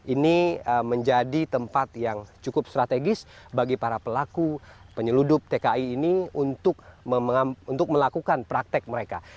ini menjadi tempat yang cukup strategis bagi para pelaku penyeludup tki ini untuk melakukan praktek mereka